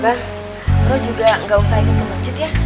bang lo juga gak usah ikut ke masjid ya